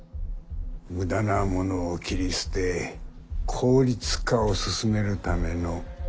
無駄なものを切り捨て効率化を進めるためのコマだ。